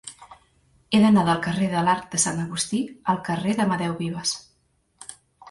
He d'anar del carrer de l'Arc de Sant Agustí al carrer d'Amadeu Vives.